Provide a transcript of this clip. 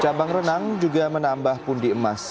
cabang renang juga menambah pundi emas